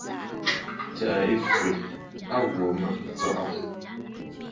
Àtsə̀ʼə̀ yî fwɛ̀ a wo mə tsɔ̀ʼɔ̀.